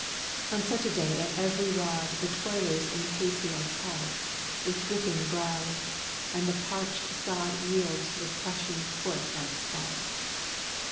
On such a day at every rod The toilers in the hay field halt, With dripping brows, and the parched sod Yields to the crushing foot like salt.